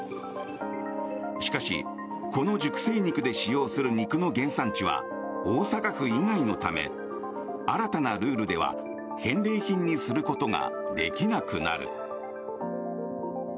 しかし、この熟成肉で使用する肉の原産地は大阪府以外のため新たなルールでは返礼品にすることができなくなる。